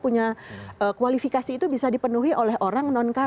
nah kualifikasi itu bisa dipenuhi oleh orang non karir